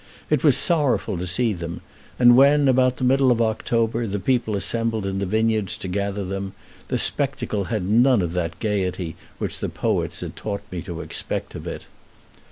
It was sorrowful to see them; and when, about the middle of October, the people assembled in the vineyards to gather them, the spectacle had none of that gayety which the poets had taught me to expect of it.